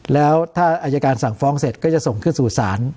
แล้วถ้าอายการสั่งฟ้องเสร็จก็จะส่งขึ้นสู่ศาล